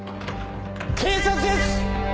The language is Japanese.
警察です！